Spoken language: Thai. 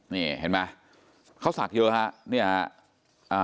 นี่เห็นไหมเขาศักดิ์เยอะฮะเนี่ย